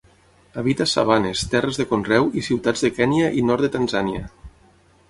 Habita sabanes, terres de conreu i ciutats de Kenya i nord de Tanzània.